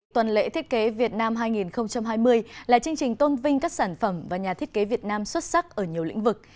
tuần lễ thiết kế việt nam hai nghìn hai mươi là chương trình tôn vinh các sản phẩm và nhà thiết kế việt nam xuất sắc ở nhiều lĩnh vực